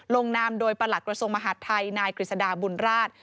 นามโดยประหลักกระทรวงมหาดไทยนายกฤษฎาบุญราช